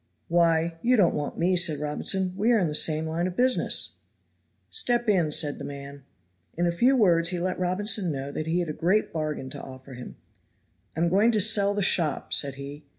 "Why, you don't want me," said Robinson; "we are in the same line of business." "Step in," said the man. In a few words he let Robinson know that he had a great bargain to offer him. "I am going to sell the shop," said he.